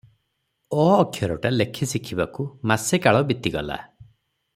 ଅ ଅକ୍ଷରଟା ଲେଖି ଶିଖିବାକୁ ମାସେ କାଳ ବିତିଗଲା ।